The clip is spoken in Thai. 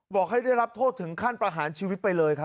บอกให้ได้รับโทษถึงขั้นประหารชีวิตไปเลยครับ